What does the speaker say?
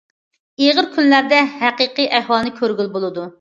ئېغىر كۈنلەردە ھەقىقىي ئەھۋالنى كۆرگىلى بولىدۇ.